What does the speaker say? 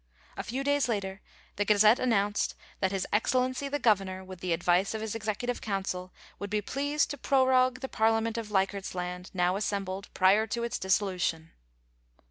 A few days later the Gazette announced * That his Excellency the Governor, with the advice of his Executive Council, would be pleased to prorogue the Parliament of Leichardt's Land, now assembled prior to its dissolution.'